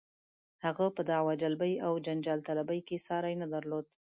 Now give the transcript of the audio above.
هغه په دعوه جلبۍ او جنجال طلبۍ کې یې ساری نه درلود.